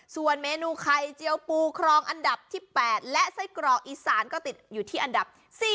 ส่วนเมนูไข่เจียวปูครองอันดับที่๘และไส้กรอกอีสานก็ติดอยู่ที่อันดับ๔